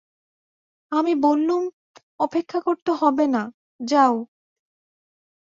আমি বললুম, অপেক্ষা করতে হবে না, যাও।